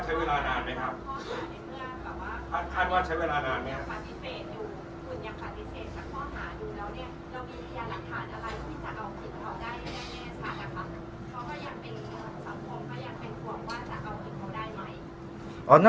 คุณยังปฏิเสธอยู่คุณยังปฏิเสธกับข้อหาอยู่แล้วเนี่ยแล้วมีพยานหลักฐานอะไรที่จะเอาผิดเขาได้แน่แน่จักครับเพราะว่าอยากเป็นสังคมก็อยากเป็นความว่าจะเอาผิดเขาได้ไหม